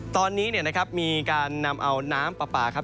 ตอนนี้นะครับมีการนำเอาน้ำปลาปลาครับ